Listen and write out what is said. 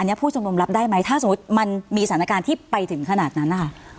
อันนี้ผู้ชุมนุมรับได้ไหมถ้าสมมุติมันมีสถานการณ์ที่ไปถึงขนาดนั้นนะคะ